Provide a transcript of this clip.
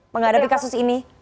menghadapi kasus ini